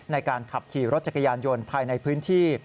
ในการขับขี่รถจักรยานยนต์ภายในพื้นที่